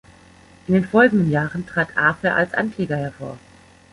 In den folgenden Jahren trat Afer als Ankläger hervor.